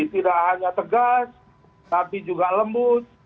tidak hanya tegas tapi juga lembut